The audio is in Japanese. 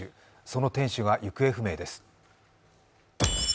その店主が行方不明です。